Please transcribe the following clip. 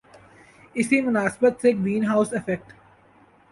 اسی مناسبت سے گرین ہاؤس ایفیکٹ